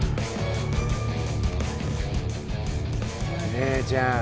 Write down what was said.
姉ちゃん